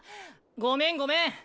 ごめんごめん。